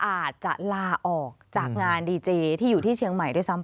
อาจจะลาออกจากงานดีเจที่อยู่ที่เชียงใหม่ด้วยซ้ำไป